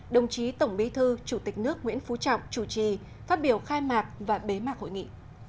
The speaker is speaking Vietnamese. đồng chí tổng bí thư chủ tịch nước nguyễn phú trọng chủ trì phát biểu khai mạc và bế mạc hội nghị